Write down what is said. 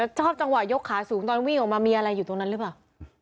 ชอบจังหวะยกขาสูงตอนวิ่งออกมามีอะไรอยู่ตรงนั้นหรือเปล่า